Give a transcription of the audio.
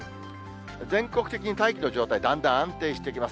全国的に大気の状態、だんだん安定してきます。